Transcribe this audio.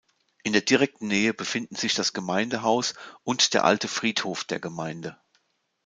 In der direkten Nähe befinden sich das Gemeindehaus und der alte Friedhof der Gemeinde.